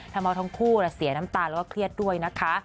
ทำเอาทั้งคู่เสียน้ำตาแล้วก็เครียดด้วยนะคะ